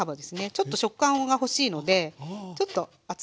ちょっと食感が欲しいのでちょっと厚めに。